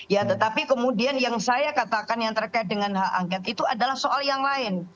ya tetapi kemudian yang saya katakan yang terkait dengan hak angket itu adalah soal yang lain